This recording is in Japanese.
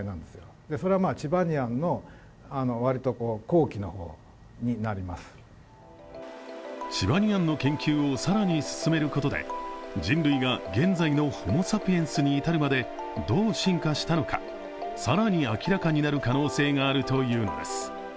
更にはチバニアンの研究を更に進めることで人類が現在のホモサピエンスに至るまで、どう進化したのか更に明らかになる可能性があるというのです。